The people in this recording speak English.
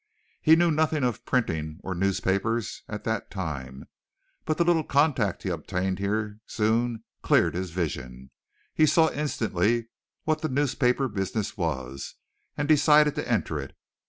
He knew nothing of printing or newspapers at the time, but the little contact he obtained here soon cleared his vision. He saw instantly what the newspaper business was, and decided to enter it.